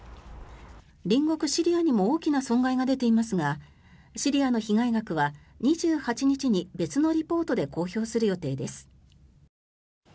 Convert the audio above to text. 隣国シリアにも大きな損害が出ていますがシリアの被害額は２８日に、別のリポートで公表する予定です。